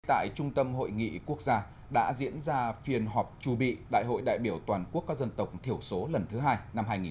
tại trung tâm hội nghị quốc gia đã diễn ra phiên họp trù bị đại hội đại biểu toàn quốc các dân tộc thiểu số lần thứ hai năm hai nghìn hai mươi